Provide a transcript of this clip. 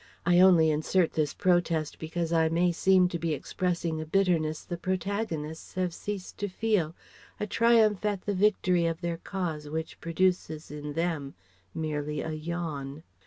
I only insert this protest because I may seem to be expressing a bitterness the protagonists have ceased to feel, a triumph at the victory of their cause which produces in them merely a yawn.